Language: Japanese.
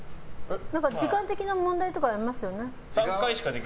時間的な問題とかありますよね。